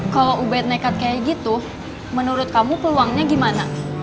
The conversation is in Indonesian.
kalau ubed nekat kayak gitu menurut kamu peluangnya gimana